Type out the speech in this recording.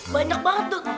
banyak banget tuh